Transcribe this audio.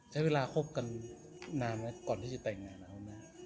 ใช้เวลาคบกันนานไหมก่อนที่จะแต่งแม่แล้ว